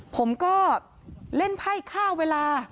ผมก็เล่นไพ่ข้าวเวลา